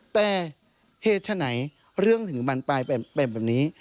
แต่เหตุไฉนเรื่องถึงบรรปรายแบบนี้